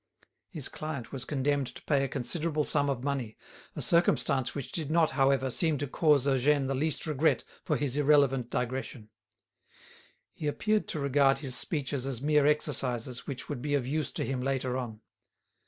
His client was condemned to pay a considerable sum of money, a circumstance which did not, however, seem to cause Eugène the least regret for his irrelevant digression. He appeared to regard his speeches as mere exercises which would be of use to him later on.